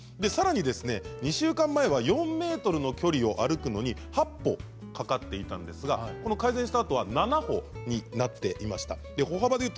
さらに２週間前は４ｍの距離を歩くのに８歩かかっていたんですが今回は７歩になっていました。